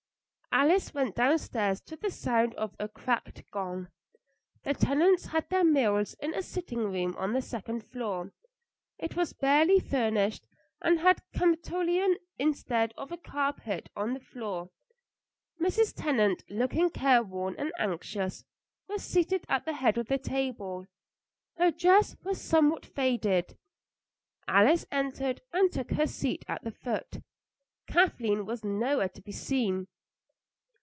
Alice went downstairs to the sound of a cracked gong. The Tennants had their meals in a sitting room on the second floor. It was barely furnished, and had kamptulicon instead of a carpet on the floor. Mrs. Tennant, looking careworn and anxious, was seated at the head of the table; her dress was somewhat faded. Alice entered and took her seat at the foot. Kathleen was nowhere to be seen.